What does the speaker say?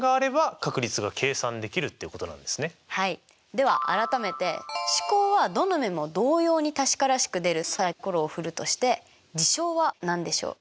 では改めて試行はどの目も同様に確からしく出るサイコロを振るとして事象は何でしょう？